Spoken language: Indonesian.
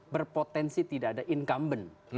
berpotensi tidak ada incumbent